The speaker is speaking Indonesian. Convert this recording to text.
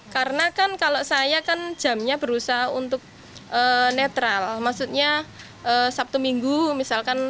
karena kan kalau saya kan jamnya berusaha untuk netral maksudnya sabtu minggu misalkan